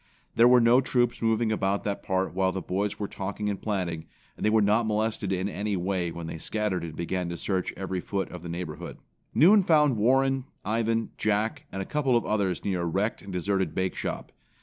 There were no troops moving about that part while the boys were talking and planning, and they were not molested in any way when they scattered and began to search every foot of the neighborhood. Noon found Warren, Ivan, Jack and a couple of others near a wrecked and deserted bakeshop.